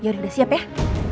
yaudah sudah siap ya